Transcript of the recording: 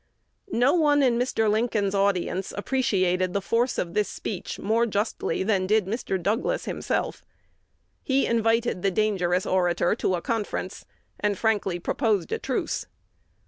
No one in Mr. Lincoln's audience appreciated the force of this speech more justly than did Mr. Douglas himself. He invited the dangerous orator to a conference, and frankly proposed a truce.